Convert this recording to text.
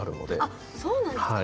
あっそうなんですか。